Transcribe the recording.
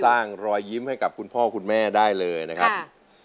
รอยยิ้มให้กับคุณพ่อคุณแม่ได้เลยนะครับ